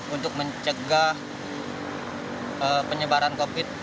untuk mencegah penyebaran covid sembilan belas